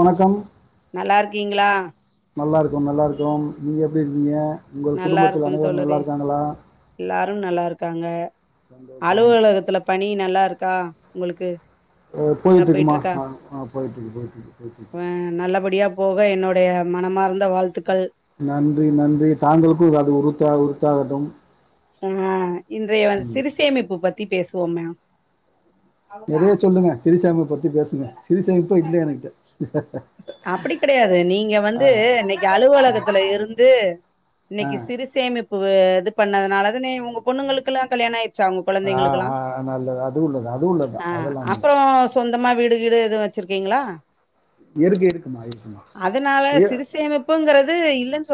வணக்கம் நல்லா இருக்கீங்களா நல்லா இருக்கோ நல்லா இருக்கேஓ நீங்க எப்டி இருக்கீங்க உங்கள் குடும்பத்தில் அனைவரும் நல்லா இருக்காங்களா எல்லாரு நல்லா இருக்காங்க சந்தோஷம் அலுவலகத்துல பணி நல்லா இருக்கா உங்களுக்கு அது நல்லா போயிட்டு இருக்குமா இருக்கா ஆ போயிட்டு இருக்கு போயிட்டு இருக்கு நல்ல படியா போக என்னுடைய மனமார்ந்த வாழ்த்துக்கள் நன்றி நன்றி தாங்களுக்கு அது உறுத்தா உறுத்தாகட்டும் ஆ இன்றைய வந்து சிறிசேமைப்பு பத்தி பேசுவோ மே நெறைய சொல்லுங்க சிறுசோமிப்பு பத்தி பேசுங்க சிறுசோமிப்போ இல்ல எங்கிட்ட அப்டி கெடையாது நீங்க வந்து இன்னிக்கி அலுவலகத்துல இருந்து ஆ இன்னிக்கி சிறுசோ சேமிப்பு இது பண்ணதுனால தானே உங்க பொண்ணுங்களுக்கெல்லா கல்யாண ஆயிருக்கு ஆச்சு அவுங்க ஆ கெழந்தைங்களுக்கெல்லா ஆ, நல்லது அது உள்ளது அது உள்ளது ஆ தான். அதெல்லாம் அப்றோ உண்மைதான் சொந்தமா வீடு கீடு எதுவு வெச்சிருக்கீங்களா இருக்கு இருக் அதனால சிறுசேமிப்புங்கிறது இல்லன்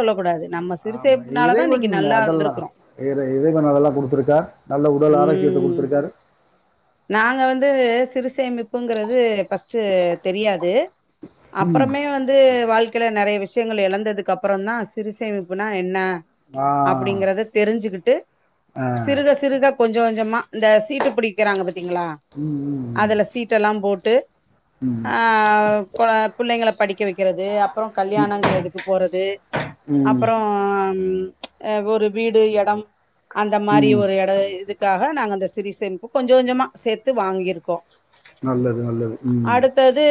ஆமா இறைவன் நல்லா அதெல்லா இருந்திருக்கிறோம். இறை இறைவன் அதெல்லா குடுத்துருக்கார் நல்ல உடல் ஆரோக்கியத்த ம். குடுத்துருக்காரு நாங்க வந்து சிறுசேமிப்புங்கிறது ஃபஸ்ட்டு தெரியாது ம் அப்புறமே வந்து வாழ்க்கையில நெறைய விஷயங்கள் இழந்ததுக்கு அப்புறந்தா சிறுசேமிப்புனா என்ன ஆ அப்படிங்கிறத தெரிஞ்சுக்கிட்டு ஆ சிறுக சிறுக கொஞ்ச கொஞ்சமா இந்த சீட்டு பிடிக்கிறாங்க பாத்தீங்களா ம் ம் அதில சீட்டெல்லா போட்டு ம் ஆ கொழ பிள்ளைங்கள படிக்க வைக்கிறது அப்புறோ கல்யாணங்கறதுக்கு போறது ம் ம் அப்றோ ஆ ஒரு வீடு எடம் அந்த மாரி ம் ஒரு எட இதுக் க்காக நாங்க அந்த சிறி சேமிப்பு கொஞ்ச கொஞ்சமா சேத்து வாங்கிருக்கோ நல்லது நல்லது ம் வந்து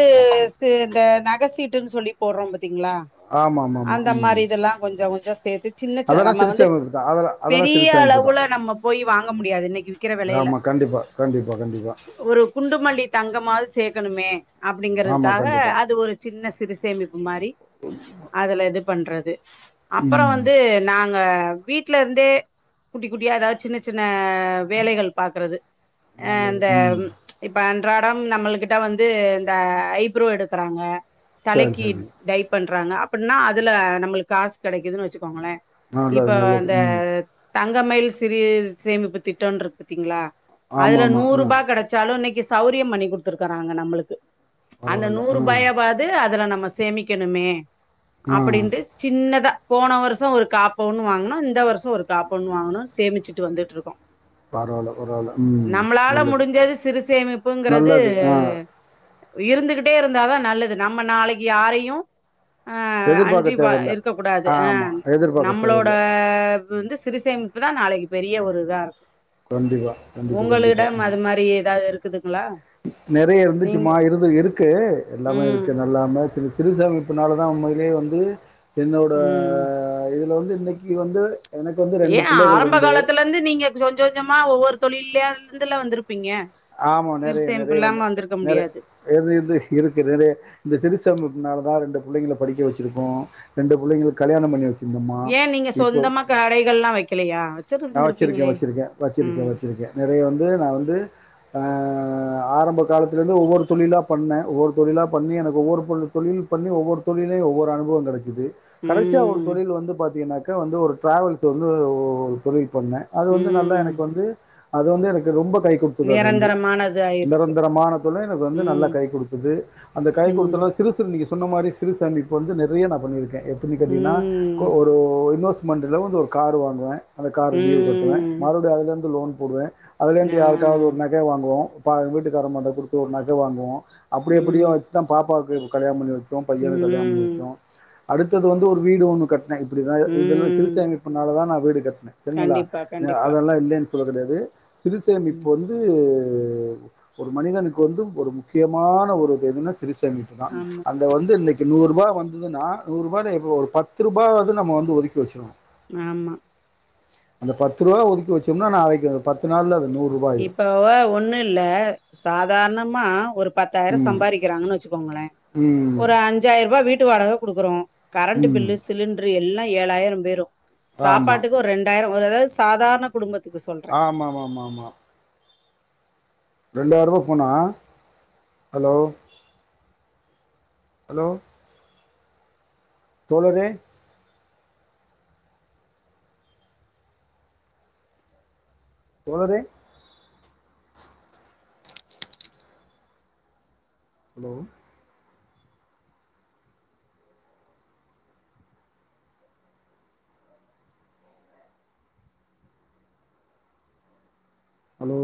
இந்த நகசீட்டுன்னு சொல்லி போட்றோ பாத்தீங்களா ஆமா ஆமா ஆமா அந்த ம் மாரி இதெல்லா கொஞ்ச கொஞ்சோ சேத்து சின்ன சின்ன அதெல்லா நம்ம சிறுசு வந்து அமைப்பு தா அதெல்லா அதெல்லா பெரிய சிறுசு அமைப்பு தா அளவுல நம்ம போய் வாங்க முடியாது இன்னிக்கி விக் ஆமா கண்டிப்பா கண்டிப்பா கண்டிப்பா ஒரு குண்டுமல்லி தங்கமாவது சேக்கணுமே ஆமா அப்டிங்கிறதுக்காக கண்டிப்பா அது ஒரு சின்ன சிறுசேமிப் மாரி அதுல இது பண்றது அப்பறோ ம் வந்து நாங் ங்க வீட்ல இருந்தே குட்டி குட்டியா ஏதாவது சின்ன சின்ன வேலைகள் பாக்குறது ஏ நல்லது அந்த ம் இப்ப அன்றாடம் நம்முள் கிட்ட வந்து இந்த ஐப்ரோ எடுக்குறாங்க சரி தலைக்கு சரி டை பண்றாங்க அபிட்னா அதுல நம்முளுக் காசு கெடைக்குதுன் வெச்சுக்கோங்களே நல்லது இப்போ நல்லது அந்த ம் தங்கமயில் சிறிய சேமிப்பு திட்டோன்ருக் பத்தீங்களா ஆமா அதுல ஆமா நூறு ஆ ரூபா கெடக் ச்சாலு இன்னைக்கு சௌரியம் பண்ணி குடுத்துருக்கறாங்க நம்முளுக்கு அந்த பரவால்ல ஆ நூரூபாயாவது அதுல சேமிக்கணுமே ஆ அப்டின்டு சின்னதா போன வருசோ ஒரு காப்பவுன்னு வருசோ ஒரு காப்பவுன் வாங்கணுன் சேமிச்சுட்டு வந்துட்ருக்கோ பரவால்ல பரவால்ல ம் நம்மளால நல்லது முடிஞ்சது சிறு சேமிப்புங்கிறது நல்லது ஆ இருந்துகிட்டே இருந்தாதா நல்லது நம்ம நாளைக்கு யாரையு ஆ எதிர்பாக்க அன்றிப்ப தேவல்ல இருக்க கூடாது அ ஆமா எதிர்பாக்க நம்ளோட தேவல்ல இது சிறுசேமிப்பு தா நாளைக் பெரிய ஒரு இதா இருக்கு கண்டிப்பா கண்டிப்பா கண்டிப்பா உங்களிடம் அது மாரி ஏதாவது இருக்குதுங்களா நெறைய நீங்க இருந்துச்சுமா இருந்து இருக்கு எல்லாமே ம் இருக்கு நல்லா [unintelligible] சிறுசேமிப்புனால மொதலையே வந்து என்னோட ம் இதுல வந்து இன்னிக்கி வந்து எனக்கு வந்து ஏ பிள்ளைகள் ஆரம்ப காலத்துல இருந்து நீங்க சொஞ்ச கொஞ்சமா ஒவ்வொரு தொழில்யா இருந்துல வந்துருப் இருப்பீங்க சிறு சேமிப்பு இல்லாம வந்திருக்க முடியாது எது இது இருக்குது இது இந்த சிறுசேமிப்புனால தா ரெண்டு பிள்ளைங்கள படிக்க வெச்சருக்கோ ரெண்டு புள்ளைங்களுக் கல்யாணம் பண்ணி வெச்சு ஏ நீங்க சொந்தமா கடைகள்ல்லா வெக்கலையா நா வெச்சிருக்கே வெச்சிருக்கே வெச்சிருக்கே வெச்சிருக்கே நெறைய வந்து நா வந்து ஆ ஆரம்ப காலத்திலிருந்து ஒவ்வொரு தொழிலாக பண்ணே ஒவ்வொரு தொழிலா பண்ணி எனக்கு ஒவ்வொரு பொ தொழில் பண்ணி ஒவ்வொரு தொழிலே ஒ்வவொரு அனுபவ கெடைக் சிது கடைசியா ஒரு ம் தொழில் வந்து பாத்தீங்கனாக்க வந்து ஒரு ட்ராவல்ஸ் வந்து ஒரு தொழில் பண்ணே அது வந்து நல்லா ம் எனக்கு வந்து அது வந்து எனக்கு ரொம்ப கை குடுத்தது அது வந்து நிரந்தரமானது ஆயிருக்கு இந்தளவுக் [unintelligible] எனக்கு வந்து நல்ல ம் கை குடுத்தது அந்த கை ம் குடுத்த [unintelligible] நீங்க சொன்ன மாரி சிறுசேமிப்பு வந்து நெறைய நா பண்ணிருக்கே எப்டின் கேட்டீங்கனா ம் க ஒரு [unintelligible] மெண்ட்ல வந்து ஒரு கார் வாங்குவே அந்த கார் டியூ கட்டுவே ம் மறுபடியு அதுலிருந்து லோன் போடுவே அதுலிருந்து ஆ யாருக் காவது ஒரு நக வாங்குவோ ப வீட்டுக்காரமாட குடுத்து ஒரு நக வாங்குவோ அப்டி எப்டியோ ம் வெச் தா பாப்பாவுக்கு கல்யாணம் பண்ணி வெச்சோ பையனுக் கல்யாணம் பண்ணி ம் வெச்சோ அடுத்தது வந்து ஒரு வீடு ஒன்னு கட் நா இப்டிதா இதெல்லா ம் சிறிசமிப்புனால தா நா வீடு கட்னே செரிங்களா கண்டிப்பா கண்டிப்பா அதெல்லா இல்லன் சொல்ல கெடையாது சிறு ம் சேமிப்பு வந்து து ஒரு மனிதனுக்கு வந்து ஒரு முக்கியமான ஒரு இது எதுனா சிறிசேமிப்பு தா ஆமா அதுல த வந்து இன்னைக்கு நூறுரூபா வந்துதுனா நூறு ரூபாயல எதோ ஒரு பத்து ரூபாவாவது நம்ம வந்து ஒதுக்கி வெச்சுருவோ ஆம்மா அந்த ரூபா ஒதுக்கி வெச்சம்னா நாளைக்கு அத பத்து நாள்ல அது நூறு இப்பவா ஒன்னு இல்ல சாதாரணமா ஒரு பத்தாயிர ம் சம்பாதிக்கிறாங்கன் வெச்சுக்கோங்களே ம் ஒரு அஞ்சாயிரவா வீட்டு வாடகை குடுக்குறோ கரண்ட்டு ம் பில்லு சிலிண்ட்ரு எல்லா ஏழாயிர போயிரு ஆமாம் ஆமாம் சாப்பாட்டுக்கு ஒர் ரெண் டாயரோ ஒரு இது சாதாரண குடும்பத்துக்கு சொல் ஆ ஆம்மாம்மாம்மாம்மா ரெண்டாயிரபா போனா ஹலோ ஹலோ தோழரே தோழரே ஹலோ ஹலோ